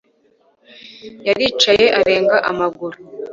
Yaricaye arenga amaguru